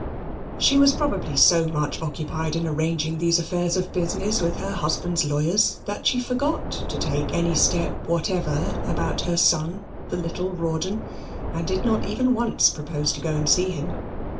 She was probably so much occupied in arranging these affairs of business with her husband's lawyers that she forgot to take any step whatever about her son, the little Rawdon, and did not even once propose to go and see him.